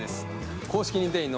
公式認定員の。